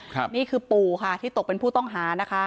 นี่คือปู่ค่ะที่ตกเป็นผู้ต้องหานะคะ